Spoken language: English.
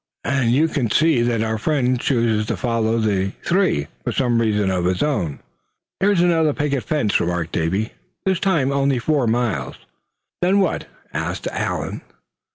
And you can see that our friend chooses to follow the three, for some reason of his own." "Here's another picket fence," remarked Davy; "this time only four miles." "Then what?" asked Allan.